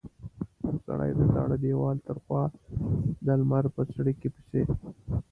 هر سړي د زاړه دېوال تر خوا د لمر په څړیکې پسې.